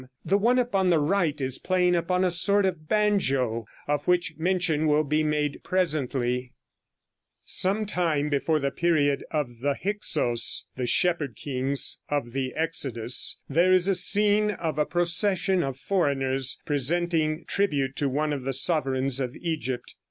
The one upon the right is playing upon a sort of banjo, of which mention will be made presently. [Illustration: Fig. 3.] Some time before the period of the Hyksos, the "Shepherd Kings" of the Exodus, there is a scene of a procession of foreigners presenting tribute to one of the sovereigns of Egypt.